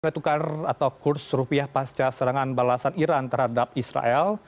nilai tukar atau kurs rupiah pasca serangan balasan iran terhadap israel